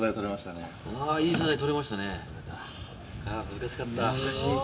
難しかった。